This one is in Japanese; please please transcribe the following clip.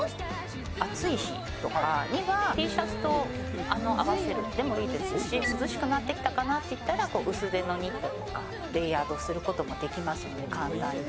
暑い日にはＴシャツと合わせるでもいいですし、涼しくなってきたかなというときには薄手のニットをレイヤードすることもできますので簡単に。